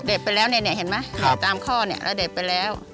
ไปแล้วเนี่ยเห็นไหมตามข้อเนี่ยแล้วเด็ดไปแล้ว